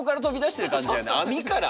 網から。